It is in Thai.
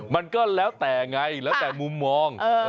มันก็แล้วแต่ไงแล้วแต่มุมมอง